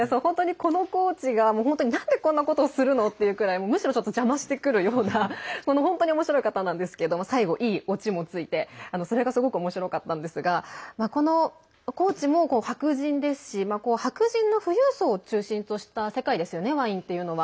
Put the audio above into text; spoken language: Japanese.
このコーチが、本当になんで、こんなことをするの？っていうくらいむしろ、ちょっと邪魔してくるような、本当におもしろい方なんですけども最後いいオチもついて、それがすごくおもしろかったんですがこのコーチも白人ですし白人の富裕層を中心とした世界ですよねワインっていうのは。